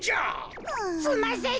すんません